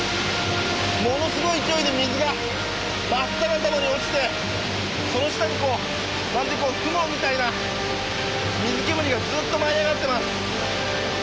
ものすごい勢いで水が真っ逆さまに落ちてその下にこうまるで雲みたいな水煙がずっと舞い上がってます。